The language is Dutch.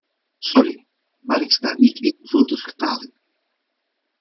Sorry, maar ik sta niet in voor de vertalingen.